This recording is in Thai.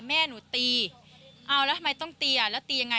แม่หนูตีเอาแล้วทำไมต้องตีอ่ะแล้วตียังไง